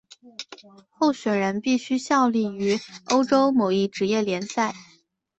候选人必须效力于欧洲某一职业联赛。